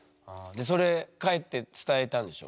でそれ帰って伝えたんでしょ？